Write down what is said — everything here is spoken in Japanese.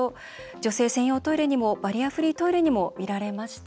女性専用トイレにもバリアフリートイレにもみられました。